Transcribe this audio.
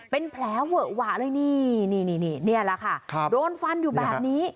เป็นแผลเวอะหวะเลยนี่นี่แหละค่ะโดนฟันอยู่แบบนี้